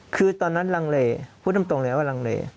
คือตอนนั้นลังเลพูดตรงเลยว่าลังเล